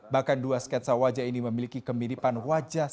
bahkan dua sketsa wajah ini memiliki kemiripan wajah